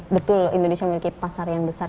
betul indonesia memiliki pasar yang besar